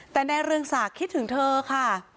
แต่แนรงศักดิ์คิดถึงเธอค่ะ